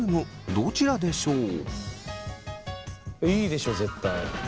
どちらでしょうか？